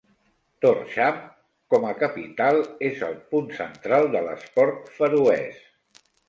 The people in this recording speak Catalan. Tórshavn, com a capital, és el punt central de l'esport feroès.